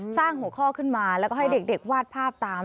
สร้างหัวข้อขึ้นมาแล้วก็ให้เด็กวาดภาพตาม